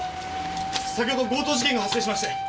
〔先ほど強盗事件が発生しまして〕